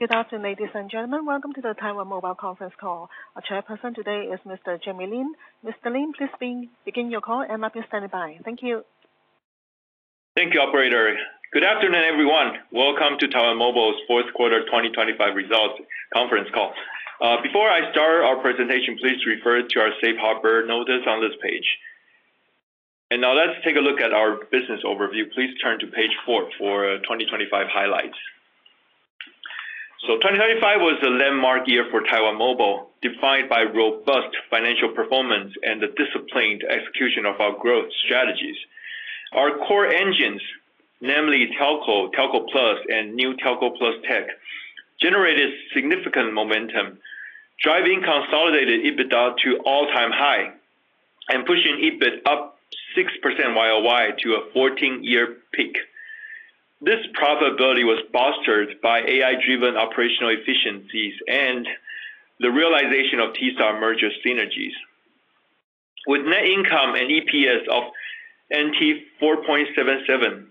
Good afternoon, ladies and gentlemen. Welcome to the Taiwan Mobile conference call. Our chairperson today is Mr. Jamie Lin. Mr. Lin, please begin your call, operator is standing by. Thank you. Thank you, operator. Good afternoon, everyone. Welcome to Taiwan Mobile's Q4 2025 results conference call. Before I start our presentation, please refer to our safe harbor notice on this page. Now let's take a look at our business overview. Please turn to page four for 2025 highlights. 2025 was a landmark year for Taiwan Mobile, defined by robust financial performance and the disciplined execution of our growth strategies. Our core engines, namely Telco Plus, and new Telco Plus Tech, generated significant momentum, driving consolidated EBITDA to all-time high and pushing EBIT up 6% YoY to a 14-year peak. This profitability was bolstered by AI-driven operational efficiencies and the realization of T-Star merger synergies. With net income and EPS of 4.77,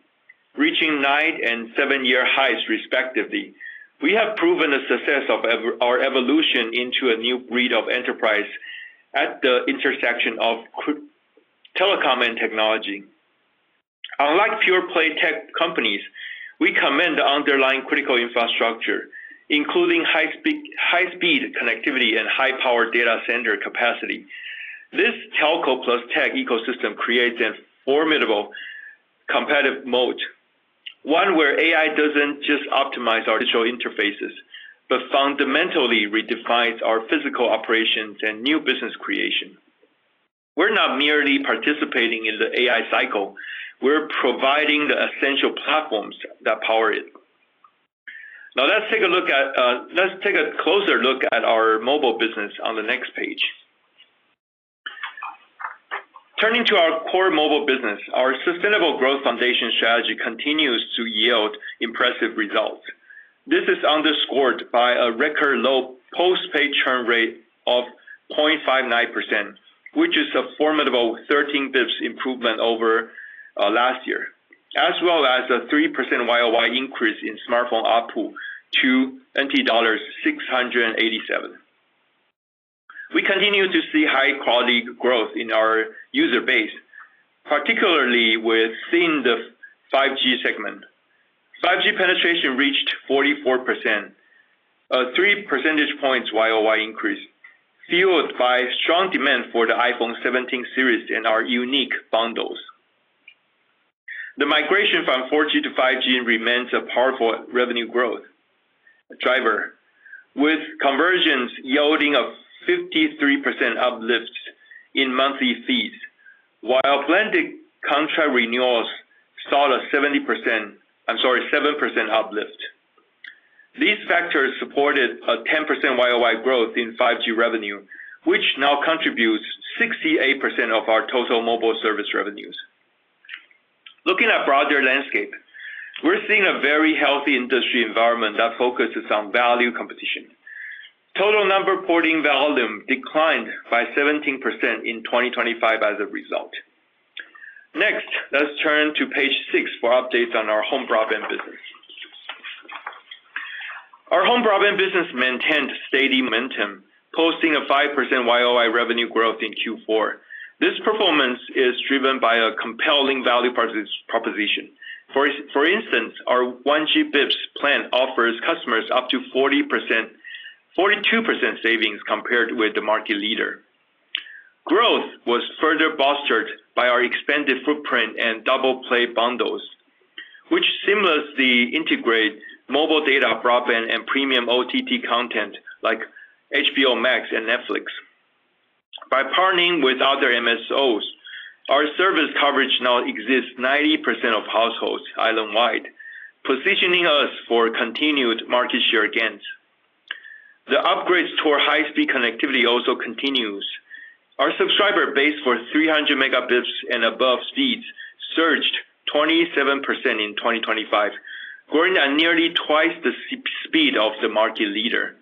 reaching nine- and seven-year highs respectively, we have proven the success of our evolution into a new breed of enterprise at the intersection of telecom and technology. Unlike pure play tech companies, we command underlying critical infrastructure, including high speed connectivity and high power data center capacity. This Telco+Tech ecosystem creates a formidable competitive moat, one where AI doesn't just optimize our digital interfaces, but fundamentally redefines our physical operations and new business creation. We're not merely participating in the AI cycle, we're providing the essential platforms that power it. Now let's take a closer look at our mobile business on the next page. Turning to our core mobile business, our sustainable growth foundation strategy continues to yield impressive results. This is underscored by a record low post-paid churn rate of 0.59%, which is a formidable 13 basis points improvement over last year, as well as a 3% YoY increase in smartphone ARPU to NT dollars 687. We continue to see high quality growth in our user base, particularly within the 5G segment. 5G penetration reached 44%, three percentage points YoY increase, fueled by strong demand for the iPhone 17 series and our unique bundles. The migration from 4G to 5G remains a powerful revenue growth driver, with conversions yielding a 53% uplift in monthly fees, while blended contract renewals saw a 7% uplift. These factors supported a 10% YoY growth in 5G revenue, which now contributes 68% of our total mobile service revenues. Looking at the broader landscape, we're seeing a very healthy industry environment that focuses on value competition. Total number porting volume declined by 17% in 2025 as a result. Next, let's turn to page six for updates on our home broadband business. Our home broadband business maintained steady momentum, posting a 5% YoY revenue growth in Q4. This performance is driven by a compelling value proposition. For instance, our 1 Gbps plan offers customers up to 40%, 42% savings compared with the market leader. Growth was further bolstered by our expanded footprint and double play bundles, which seamlessly integrate mobile data broadband and premium OTT content like Max and Netflix. By partnering with other MSOs, our service coverage now exists 90% of households island-wide, positioning us for continued market share gains. The upgrades toward high-speed connectivity also continues. Our subscriber base for 300 Mbps and above speeds surged 27% in 2025, growing at nearly twice the speed of the market leader,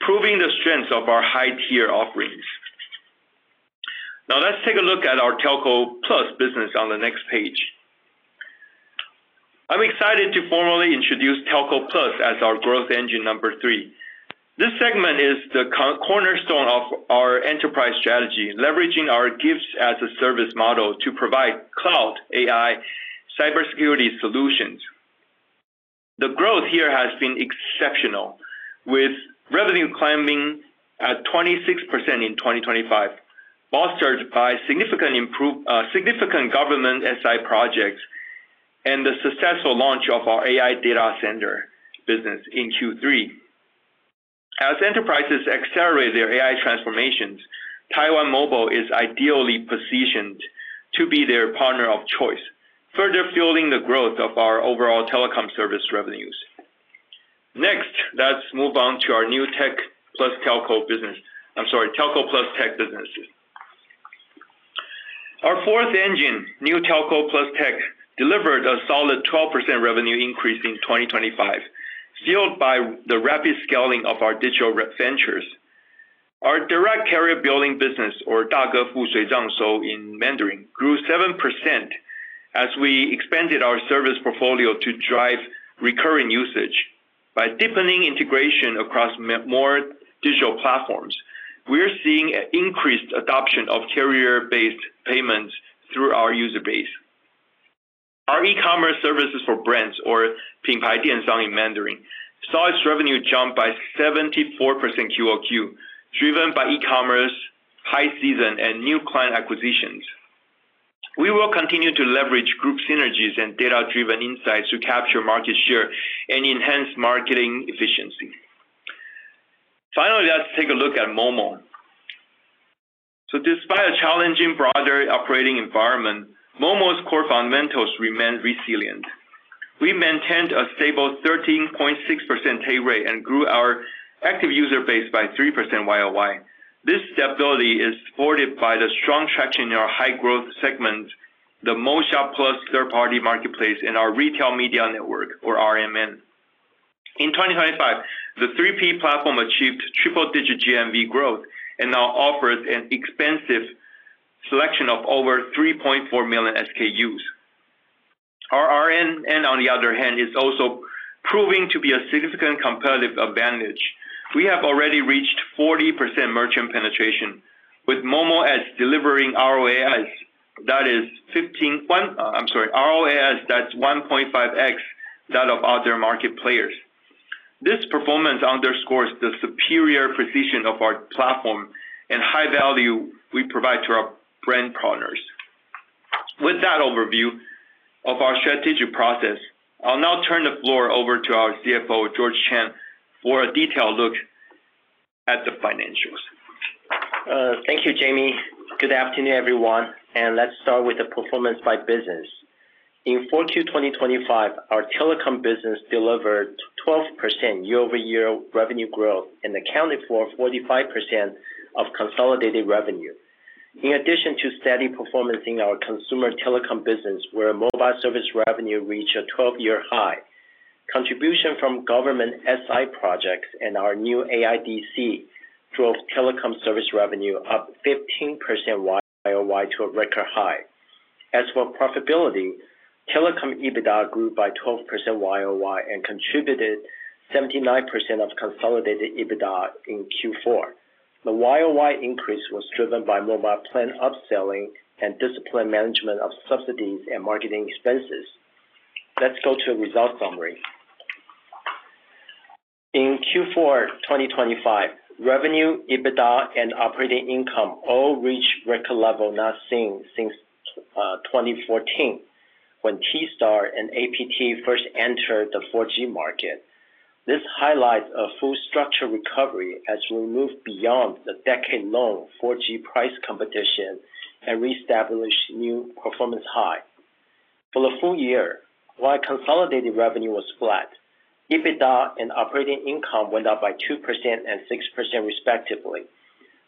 proving the strength of our high-tier offerings. Now let's take a look at our Telco Plus business on the next page. I'm excited to formally introduce Telco Plus as our growth engine number three. This segment is the cornerstone of our enterprise strategy, leveraging our Gift-as-a-Service model to provide cloud AI cybersecurity solutions. The growth here has been exceptional, with revenue climbing at 26% in 2025, bolstered by significant government SI projects and the successful launch of our AI data center business in Q3. As enterprises accelerate their AI transformations, Taiwan Mobile is ideally positioned to be their partner of choice, further fueling the growth of our overall telecom service revenues. Next, let's move on to our new Telco+Tech businesses. Our fourth engine, new Telco+Tech, delivered a solid 12% revenue increase in 2025, fueled by the rapid scaling of our digital ventures. Our direct carrier billing business, or in Mandarin, grew 7% as we expanded our service portfolio to drive recurring usage. By deepening integration across more digital platforms, we're seeing an increased adoption of carrier-based payments through our user base. Our e-commerce services for brands, or in Mandarin, saw its revenue jump by 74% QoQ, driven by e-commerce, high season, and new client acquisitions. We will continue to leverage group synergies and data-driven insights to capture market share and enhance marketing efficiency. Finally, let's take a look at MoMo. Despite a challenging broader operating environment, MoMo's core fundamentals remain resilient. We maintained a stable 13.6% pay rate and grew our active user base by 3% YoY. This stability is supported by the strong traction in our high growth segment, the MoMo shop+ third-party marketplace in our retail media network or RMN. In 2025, the 3P platform achieved triple-digit GMV growth and now offers an expansive selection of over 3.4 million SKUs. Our RMN on the other hand is also proving to be a significant competitive advantage. We have already reached 40% merchant penetration with MoMo as delivering ROAS. That is ROAS, that's 1.5x that of other market players. This performance underscores the superior precision of our platform and high value we provide to our brand partners. With that overview of our strategic process, I'll now turn the floor over to our CFO, George Chang, for a detailed look at the financials. Thank you, Jamie. Good afternoon, everyone. Let's start with the performance by business. In 4Q 2025, our telecom business delivered 12% year-over-year revenue growth and accounted for 45% of consolidated revenue. In addition to steady performance in our consumer telecom business, where mobile service revenue reached a 12-year high, contribution from government SI projects and our new AIDC drove telecom service revenue up 15% YoY to a record high. As for profitability, telecom EBITDA grew by 12% YoY and contributed 79% of consolidated EBITDA in Q4. The YoY increase was driven by mobile plan upselling and disciplined management of subsidies and marketing expenses. Let's go to result summary. In Q4 2025, revenue, EBITDA, and operating income all reached record level not seen since 2014 when T-Star and APT first entered the 4G market. This highlights a full structure recovery as we move beyond the decade-long 4G price competition and reestablish new performance high. For the full year, while consolidated revenue was flat, EBITDA and operating income went up by 2% and 6% respectively.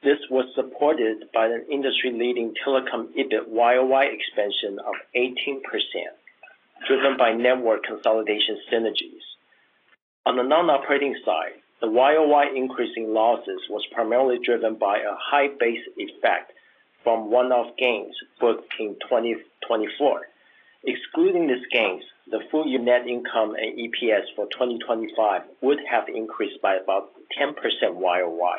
This was supported by an industry-leading telecom EBIT YoY expansion of 18%, driven by network consolidation synergies. On the non-operating side, the YoY increase in losses was primarily driven by a high base effect from one-off gains booked in 2024. Excluding these gains, the full year net income and EPS for 2025 would have increased by about 10% YoY.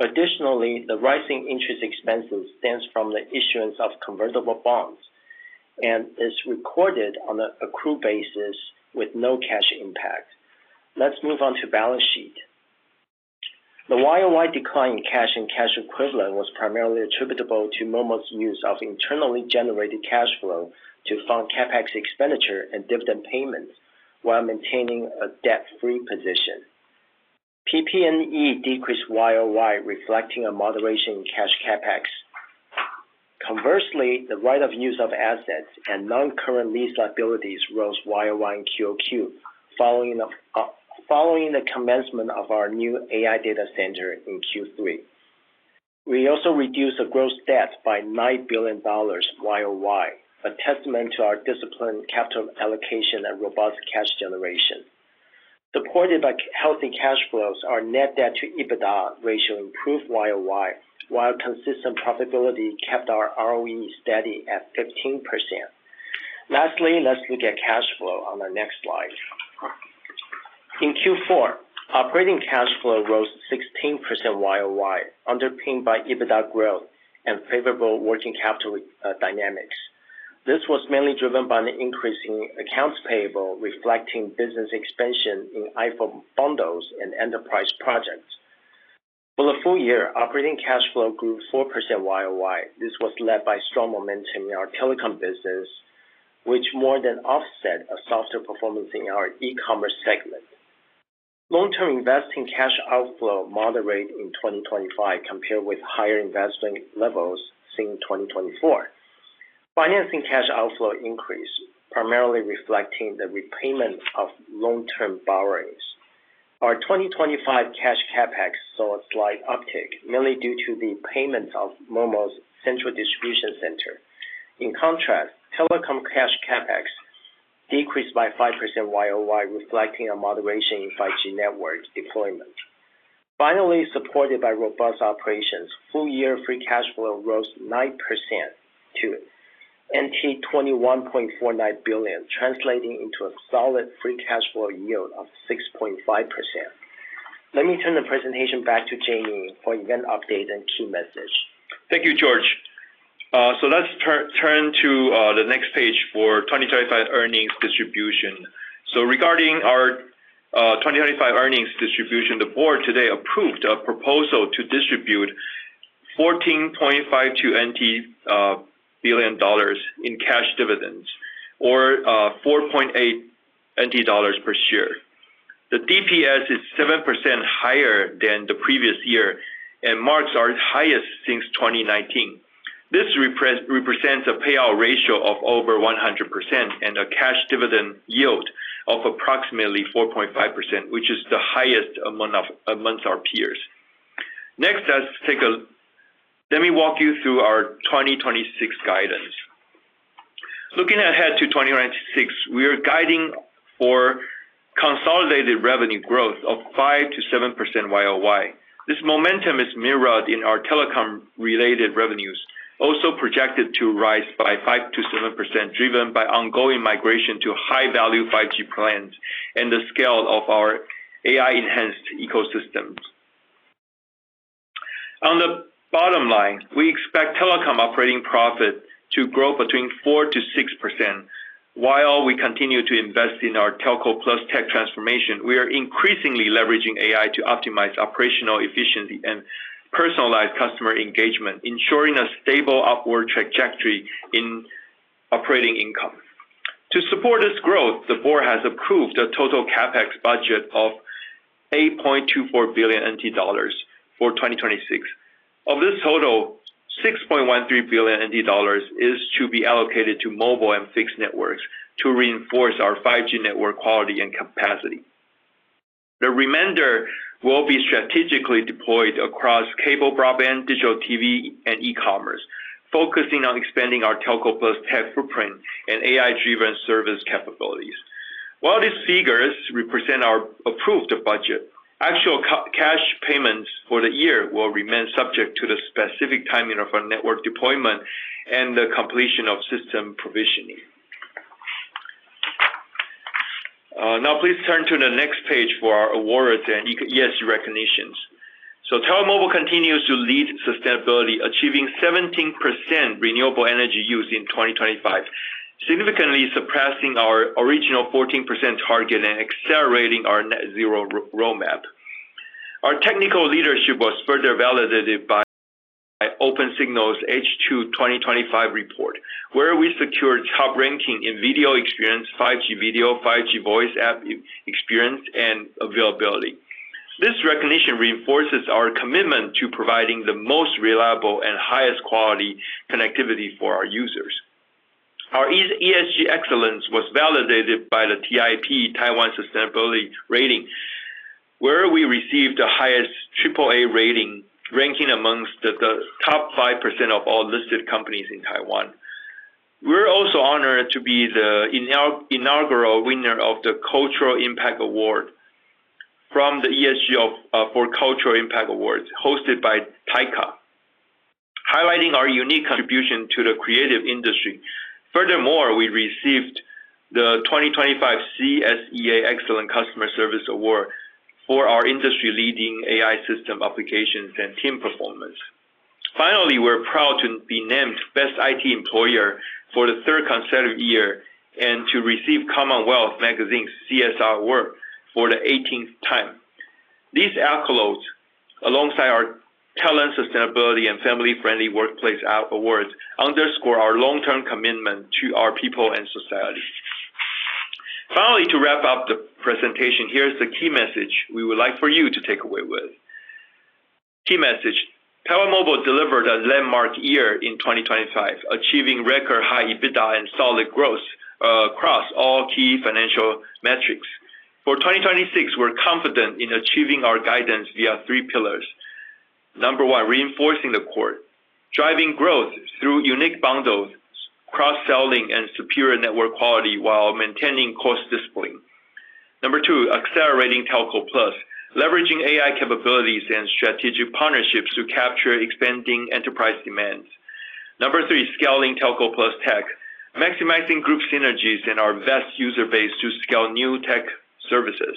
Additionally, the rising interest expenses stems from the issuance of convertible bonds, and is recorded on an accrual basis with no cash impact. Let's move on to balance sheet. The YoY decline in cash and cash equivalent was primarily attributable to MoMo's use of internally generated cash flow to fund CapEx expenditure and dividend payments while maintaining a debt-free position. PP&E decreased YoY, reflecting a moderation in cash CapEx. Conversely, the right of use of assets and non-current lease liabilities rose YoY in QoQ, following the commencement of our new AI data center in Q3. We also reduced the gross debt by 9 billion dollars YoY, a testament to our disciplined capital allocation and robust cash generation. Supported by healthy cash flows, our net debt to EBITDA ratio improved YoY, while consistent profitability kept our ROE steady at 15%. Lastly, let's look at cash flow on the next slide. In Q4, operating cash flow rose 16% YoY, underpinned by EBITDA growth and favorable working capital dynamics. This was mainly driven by an increase in accounts payable, reflecting business expansion in iPhone bundles and enterprise projects. For the full year, operating cash flow grew 4% YoY. This was led by strong momentum in our telecom business, which more than offset a softer performance in our e-commerce segment. Long-term investing cash outflow moderated in 2025 compared with higher investment levels seen in 2024. Financing cash outflow increased, primarily reflecting the repayment of long-term borrowings. Our 2025 cash CapEx saw a slight uptick, mainly due to the payment of MoMo's central distribution center. In contrast, telecom cash CapEx decreased by 5% YoY, reflecting a moderation in 5G network deployment. Finally, supported by robust operations, full year free cash flow rose 9% to 21.49 billion, translating into a solid free cash flow yield of 6.5%. Let me turn the presentation back to Jamie for event update and key message. Thank you, George. Let's turn to the next page for 2025 earnings distribution. Regarding our 2025 earnings distribution, the board today approved a proposal to distribute 14.52 billion dollars in cash dividends, or 4.8 NT dollars per share. The DPS is 7% higher than the previous year and marks our highest since 2019. This represents a payout ratio of over 100% and a cash dividend yield of approximately 4.5%, which is the highest among our peers. Let me walk you through our 2026 guidance. Looking ahead to 2026, we are guiding for consolidated revenue growth of 5%-7% YoY. This momentum is mirrored in our telecom-related revenues, also projected to rise by 5%-7%, driven by ongoing migration to high-value 5G plans and the scale of our AI-enhanced ecosystems. On the bottom line, we expect telecom operating profit to grow 4%-6%. While we continue to invest in our Telco+Tech transformation, we are increasingly leveraging AI to optimize operational efficiency and personalized customer engagement, ensuring a stable upward trajectory in operating income. To support this growth, the board has approved a total CapEx budget of 8.24 billion NT dollars for 2026. Of this total, 6.13 billion NT dollars is to be allocated to mobile and fixed networks to reinforce our 5G network quality and capacity. The remainder will be strategically deployed across cable broadband, digital TV, and e-commerce, focusing on expanding our Telco+Tech footprint and AI-driven service capabilities. While these figures represent our approved budget, actual cash payments for the year will remain subject to the specific timing of our network deployment and the completion of system provisioning. Now please turn to the next page for our awards and ESG recognitions. Taiwan Mobile continues to lead sustainability, achieving 17% renewable energy use in 2025, significantly surpassing our original 14% target and accelerating our net zero roadmap. Our technical leadership was further validated by Opensignal H2 2025 report, where we secured top ranking in video experience, 5G video, 5G voice app experience, and availability. This recognition reinforces our commitment to providing the most reliable and highest quality connectivity for our users. Our ESG excellence was validated by the TIP Taiwan Sustainability Ratings, where we received the highest triple A rating, ranking amongst the top 5% of all listed companies in Taiwan. We're also honored to be the inaugural winner of the Cultural Impact Award from the ESG for Cultural Impact Awards hosted by TAICCA, highlighting our unique contribution to the creative industry. Furthermore, we received the 2025 CSEA Excellent Customer Service Award for our industry-leading AI system applications and team performance. Finally, we're proud to be named Best IT Employer for the third consecutive year and to receive Commonwealth Magazine's CSR award for the eighteenth time. These accolades, alongside our Talent, Sustainability, and Family Friendly Workplace Awards underscore our long-term commitment to our people and society. Finally, to wrap up the presentation, here's the key message we would like for you to take away with. Key message. Taiwan Mobile delivered a landmark year in 2025, achieving record high EBITDA and solid growth across all key financial metrics. For 2026, we're confident in achieving our guidance via three pillars. Number one, reinforcing the core, driving growth through unique bundles, cross-selling, and superior network quality while maintaining cost discipline. Number two, accelerating Telco+, leveraging AI capabilities and strategic partnerships to capture expanding enterprise demands. Number three, scaling Telco+Tech, maximizing group synergies and our vast user base to scale new tech services.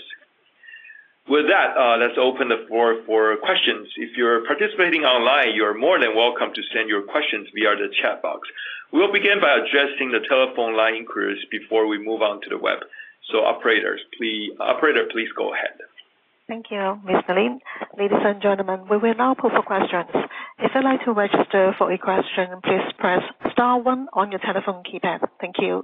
With that, let's open the floor for questions. If you're participating online, you're more than welcome to send your questions via the chat box. We will begin by addressing the telephone line queries before we move on to the web. Operators, please. Operator, please go ahead. Thank you, Mr. Lin. Ladies and gentlemen, we will now open for questions. If you'd like to register for a question, please press star one on your telephone keypad. Thank you.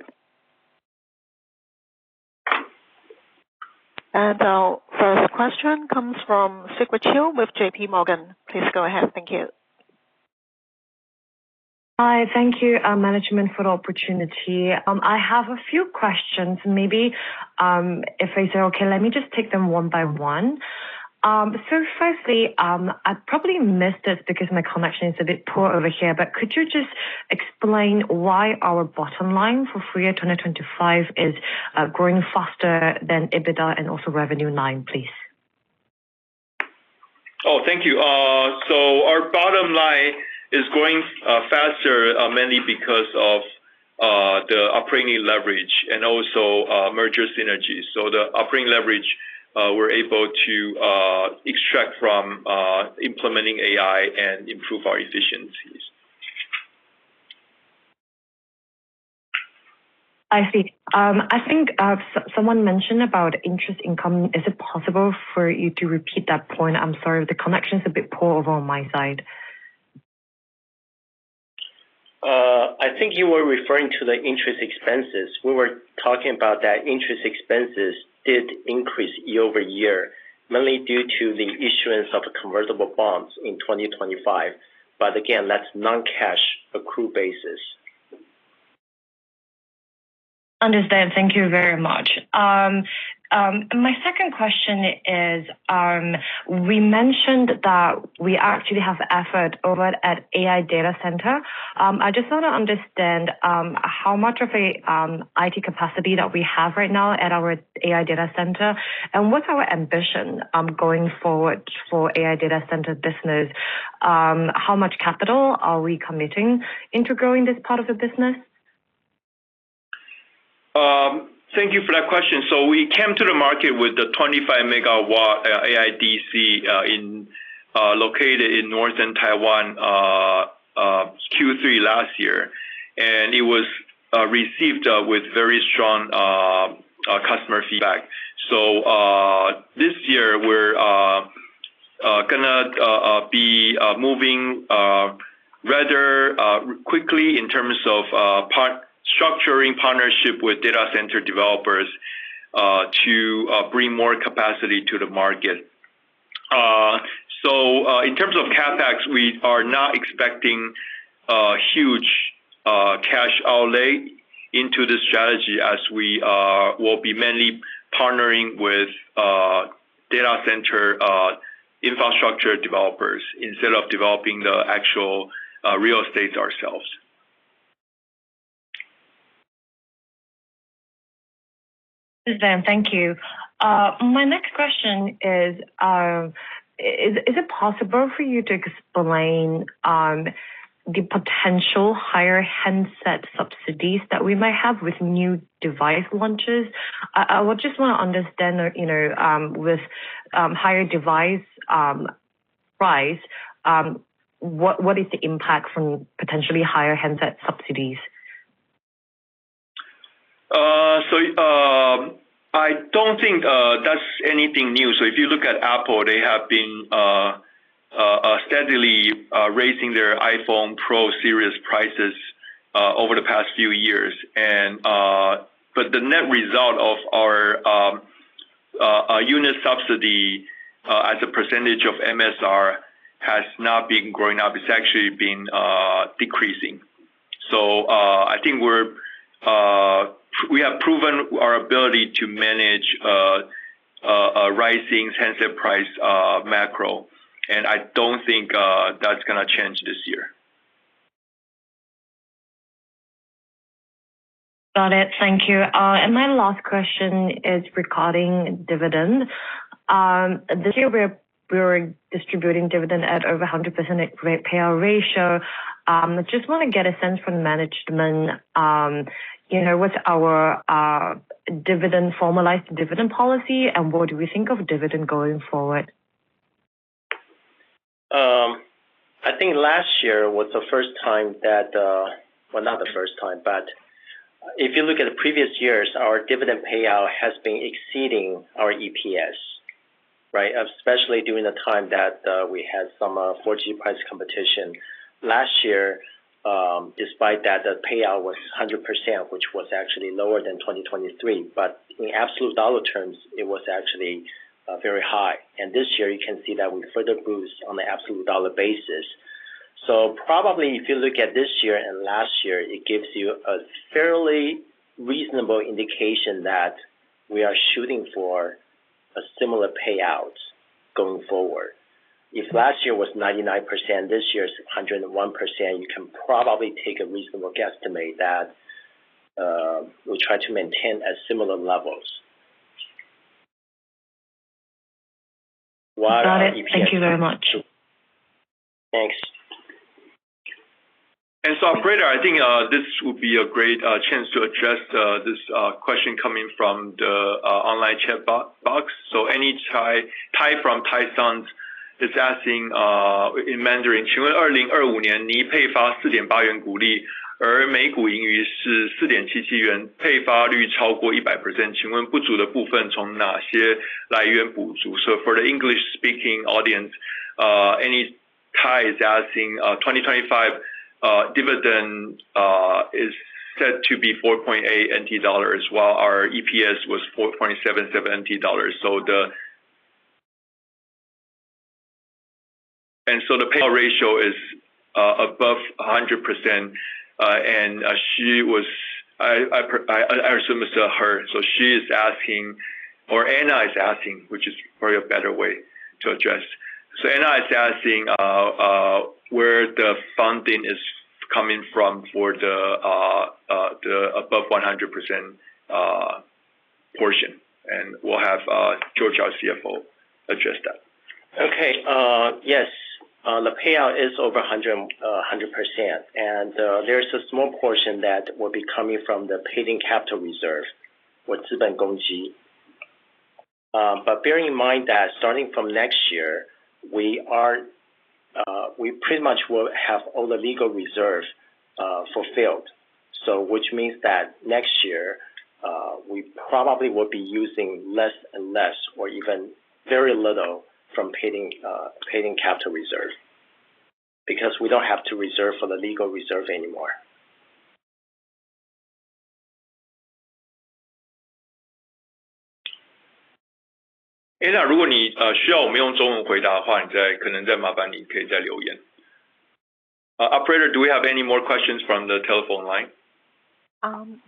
Our first question comes from Sigrid Qiu with J.P. Morgan. Please go ahead. Thank you. Hi. Thank you, management, for the opportunity. I have a few questions. Maybe, if it's okay, let me just take them one by one. Firstly, I probably missed it because my connection is a bit poor over here, but could you just explain why our bottom line for FY 2025 is growing faster than EBITDA and also revenue line, please? Oh, thank you. Our bottom line is growing faster, mainly because of the operating leverage and also merger synergies. The operating leverage we're able to extract from implementing AI and improve our efficiencies. I see. I think, someone mentioned about interest income. Is it possible for you to repeat that point? I'm sorry. The connection's a bit poor over on my side. I think you were referring to the interest expenses. We were talking about that interest expenses did increase year-over-year, mainly due to the issuance of convertible bonds in 2025. Again, that's non-cash accrual basis. Understand. Thank you very much. My second question is, we mentioned that we actually have effort over at AI data center. I just want to understand, how much of a IT capacity that we have right now at our AI data center. What's our ambition, going forward for AI data center business? How much capital are we committing into growing this part of the business? Thank you for that question. We came to the market with the 25 MW AIDC located in Northern Taiwan in Q3 last year. It was received with very strong customer feedback. This year we're gonna be moving rather quickly in terms of structuring partnerships with data center developers to bring more capacity to the market. In terms of CapEx, we are not expecting huge cash outlay into the strategy as we will be mainly partnering with data center infrastructure developers instead of developing the actual real estate ourselves. Understand. Thank you. My next question is it possible for you to explain the potential higher handset subsidies that we might have with new device launches? I would just want to understand, you know, with higher device price, what is the impact from potentially higher handset subsidies? I don't think that's anything new. If you look at Apple, they have been steadily raising their iPhone Pro series prices over the past few years. The net result of our unit subsidy as a percentage of MSR has not been going up. It's actually been decreasing. I think we have proven our ability to manage a rising handset price macro, and I don't think that's gonna change this year. Got it. Thank you. My last question is regarding dividend. This year we're distributing dividend at over 100% payout ratio. I just want to get a sense from management, you know, what's our dividend formalized dividend policy, and what do we think of dividend going forward? Well, not the first time, but if you look at the previous years, our dividend payout has been exceeding our EPS, right? Especially during the time that we had some 4G price competition. Last year, despite that, the payout was 100%, which was actually lower than 2023. In absolute dollar terms, it was actually very high. This year you can see that we further boost on the absolute dollar basis. Probably if you look at this year and last year, it gives you a fairly reasonable indication that we are shooting for a similar payout going forward. If last year was 99%, this year is 101%, you can probably take a reasonable guesstimate that we'll try to maintain at similar levels. While our EPS. Got it. Thank you very much. Sure. Thanks. Operator, I think this will be a great chance to address this question coming from the online chat box. Annie Tai from Yuanta is asking in Mandarin. For the English-speaking audience, Annie Tai is asking, 2025 dividend is said to be 4.8, while our EPS was 4.7. The payout ratio is above 100%. And I assume it's her. She is asking or Anna is asking, which is probably a better way to address. Anna is asking where the funding is coming from for the above 100% portion, and we'll have George, our CFO, address that. Okay, yes the payout is over 100%. There's a small portion that will be coming from the paid-in capital reserve. Bear in mind that starting from next year, we pretty much will have all the legal reserves fulfilled. Which means that next year, we probably will be using less and less or even very little from paid-in capital reserve because we don't have to reserve for the legal reserve anymore. Operator, do we have any more questions from the telephone line?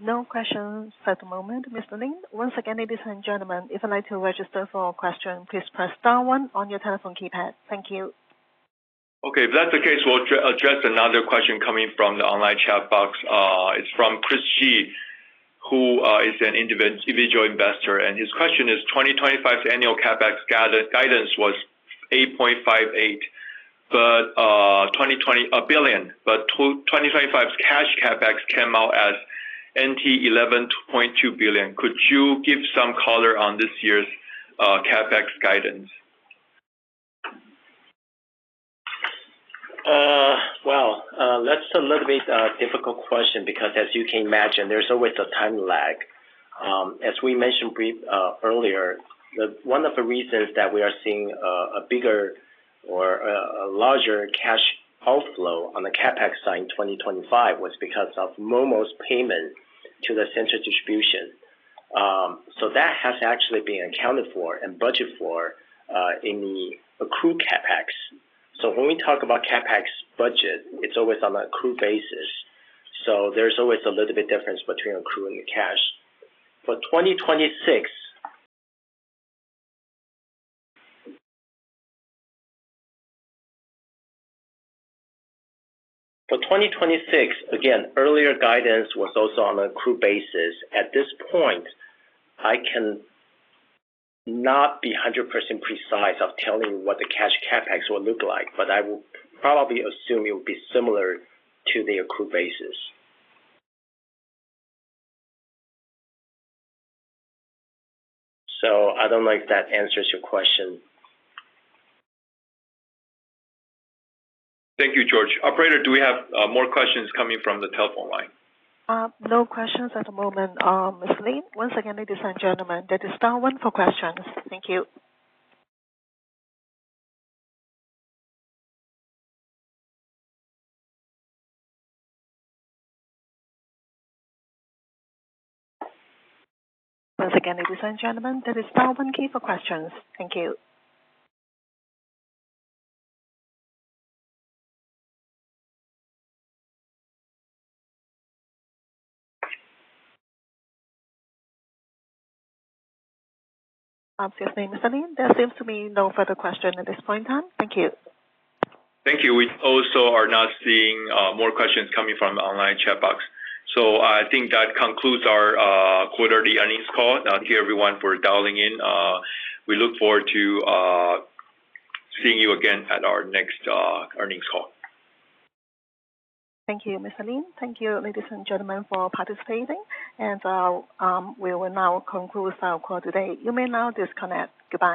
No questions at the moment, Mr. Lin. Once again, ladies and gentlemen, if you'd like to register for a question, please press star one on your telephone keypad. Thank you. Okay. If that's the case, we'll address another question coming from the online chat box. It's from Chris Gee, who is an individual investor, and his question is, "2025's annual CapEx guidance was 8.58 billion, but 2024 1 billion. But 2025's cash CapEx came out as 11.2 billion. Could you give some color on this year's CapEx guidance? Well, that's a little bit difficult question because, as you can imagine, there's always a time lag. As we mentioned briefly earlier, one of the reasons that we are seeing a bigger or a larger cash outflow on the CapEx side in 2025 was because of MoMo's payment to the central distribution. That has actually been accounted for and budgeted for in the accrued CapEx. When we talk about CapEx budget, it's always on accrued basis. There's always a little bit difference between accruing the cash. For 2026, again, earlier guidance was also on accrued basis. At this point, I cannot be 100% precise of telling what the cash CapEx will look like, but I will probably assume it will be similar to the accrued basis. I don't know if that answers your question. Thank you, George. Operator, do we have more questions coming from the telephone line? No questions at the moment, Mr. Lin. Once again, ladies and gentlemen, that is star one for questions. Thank you. Once again, ladies and gentlemen, that is star one key for questions. Thank you. Yes. Mr. Lin, there seems to be no further question at this point in time. Thank you. Thank you. We also are not seeing more questions coming from the online chat box. I think that concludes our quarterly earnings call. Thank you, everyone, for dialing in. We look forward to seeing you again at our next earnings call. Thank you, Mr. Lin. Thank you, ladies and gentlemen, for participating. We will now conclude our call today. You may now disconnect. Goodbye.